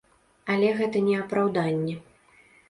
Але гэта не апраўданне.